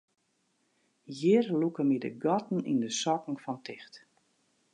Hjir lûke my de gatten yn de sokken fan ticht.